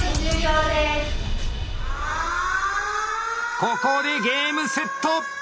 ここでゲームセット！